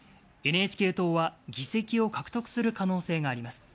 ＮＨＫ党は議席を獲得する可能性があります。